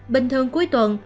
bình thường cuối tuần